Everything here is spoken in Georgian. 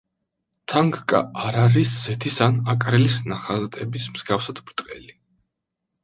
თანგკა არ არის ზეთის ან აკრილის ნახატების მსგავსად ბრტყელი.